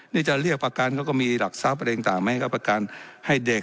นี่จะเรียกประกันเขาก็มีหลักทรัพย์อะไรต่างมาให้เขาประกันให้เด็ก